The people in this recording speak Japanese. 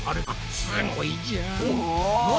すごいじゃん！